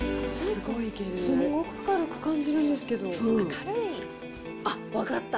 すごく軽く感じるんですけどあっ、分かった。